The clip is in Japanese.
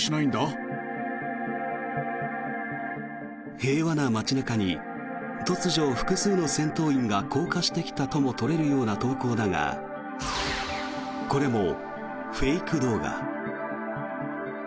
平和な街中に突如、複数の戦闘員が降下してきたとも取れるような投稿だがこれもフェイク動画。